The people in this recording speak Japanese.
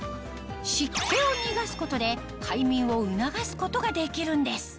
湿気を逃がすことで快眠を促すことができるんです